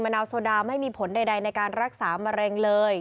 นาวโซดาไม่มีผลใดในการรักษามะเร็งเลย